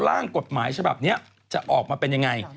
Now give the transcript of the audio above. ร่างกฎหมายฉบับนี้จะออกมาเป็นยังไง